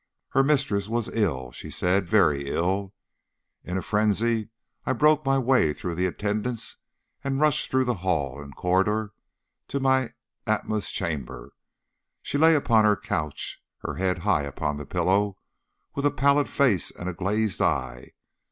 Her mistress was ill, she said, very ill. In a frenzy I broke my way through the attendants, and rushed through hall and corridor to my Atma's chamber. She lay upon her couch, her head high upon the pillow, with a pallid face and a glazed eye.